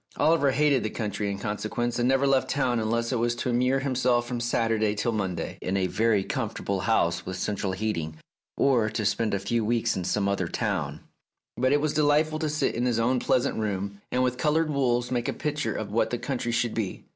Oliver hated the country in consequence, and never left town unless it was to immure himself from Saturday till Monday in a very comfortable house with central heating, or to spend a few weeks in some other town ; but it was delightful to sit in his own pleasant room, and with coloured wools make a picture of what the country should be.